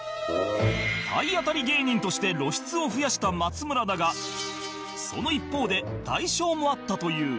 体当たり芸人として露出を増やした松村だがその一方で代償もあったという